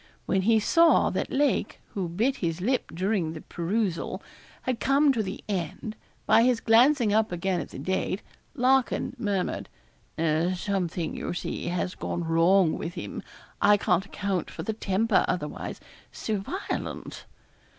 When he saw that Lake, who bit his lip during the perusal, had come to the end, by his glancing up again at the date, Larkin murmured 'Something, you see, has gone wrong with him. I can't account for the temper otherwise so violent.'